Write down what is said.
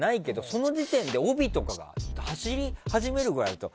その時点で帯とかが走り始めるかと。